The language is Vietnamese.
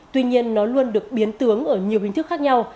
tuy nhiên nó luôn được biến tướng ở nhiều hình thức khác nhau